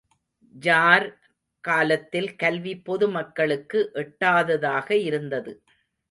Jar காலத்தில் கல்வி பொது மக்களுக்கு எட்டாததாக இருந்தது.